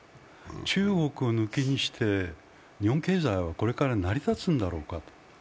中国を抜きにして日本経済はこれから成り立つんだろうか。